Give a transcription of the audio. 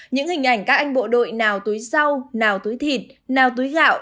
những hình ảnh các anh bộ đội nào túi rau nào túi thịt nào túi gạo